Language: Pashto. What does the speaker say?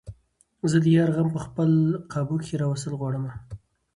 زۀ د يار غم په خپل قابو کښې راوستل غواړمه